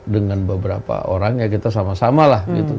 dengan beberapa orang ya kita sama sama lah gitu